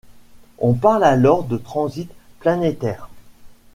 On parle alors de transit planétaire.